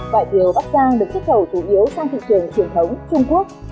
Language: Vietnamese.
vải thiều bắc giang được xuất khẩu chủ yếu sang thị trường truyền thống trung quốc